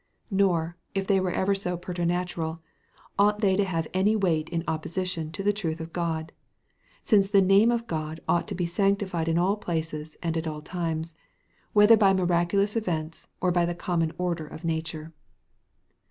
Nor, if they were ever so preternatural, ought they to have any weight in opposition to the truth of God, since the name of God ought to be sanctified in all places and at all times, whether by miraculous events, or by the common order of nature.